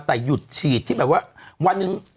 แต่หยุดฉีดที่แบบว่าวันหนึ่ง